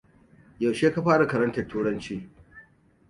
Yaushe ka fara karantar Turanci?